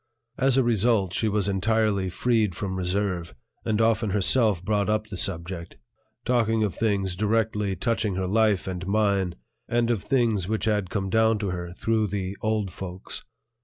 As a result, she was entirely freed from reserve, and often herself brought up the subject, talking of things directly touching her life and mine and of things which had come down to her through the "old folks."